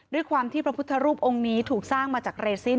ด้วยความที่พระพุทธรูปองค์นี้ถูกสร้างมาจากเรซิน